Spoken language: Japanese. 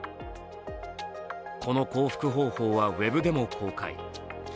この降伏方法はウェブでも公開。